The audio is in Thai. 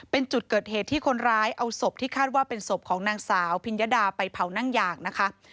เป็นจุดเกิดเหตุที่คนร้ายเอาศพที่คาดว่าเป็นศพของนางสาวพิญญดาไปเผานั่งยางนะคะ